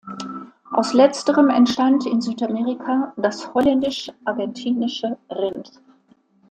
Aus letzterem entstand in Südamerika das Holländisch-Argentinische Rind.